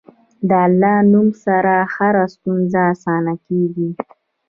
د الله نوم سره هره ستونزه اسانه کېږي.